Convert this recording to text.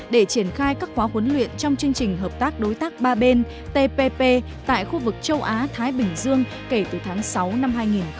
để triển khai các khóa huấn luyện trong chương trình hợp tác đối tác ba bên tppp tại khu vực châu á thái bình dương kể từ tháng sáu năm hai nghìn một mươi chín